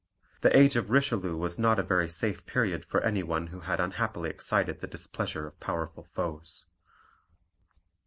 The age of Richelieu was not a very safe period for any one who had unhappily excited the displeasure of powerful foes.